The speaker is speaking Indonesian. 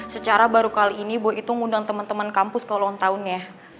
secara baru kali ini boy itu ngundang temen temen kampus ke ulang tahunnya